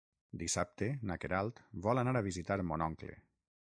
Dissabte na Queralt vol anar a visitar mon oncle.